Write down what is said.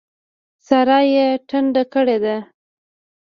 سارا يې ټنډه کړې ده.